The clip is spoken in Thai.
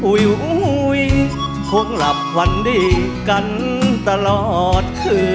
อุ้ยอุ้ยคงหลับวันดีกันตลอดคืน